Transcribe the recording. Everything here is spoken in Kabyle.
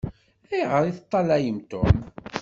Ayɣeṛ i teṭṭalayem Tom?